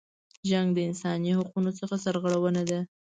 جنګ د انسانی حقونو څخه سرغړونه ده.